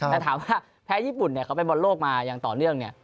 แต่ถามว่าแพ้ญี่ปุ่นเขาไปบอลโลกมาอย่างต่อเนื่อง